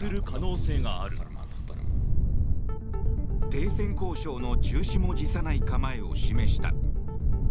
停戦交渉の中止も辞さない構えを示した。